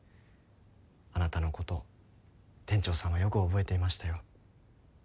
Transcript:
あなたのことを店長さんはよく覚えていましたよ。